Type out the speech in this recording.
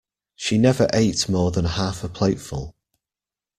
She never ate more than half a plateful